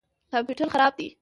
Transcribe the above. کمپیوټر خراب دی